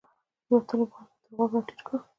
د وتلو په حال کې یې تر غوږ راټیټ کړل.